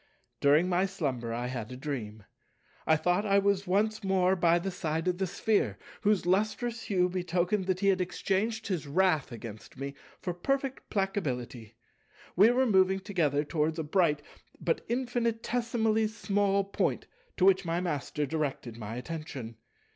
During my slumber I had a dream. I thought I was once more by the side of the Sphere, whose lustrous hue betokened that he had exchanged his wrath against me for perfectly placability. We were moving together towards a bright but infinitesimally small Point, to which my Master directed my attention.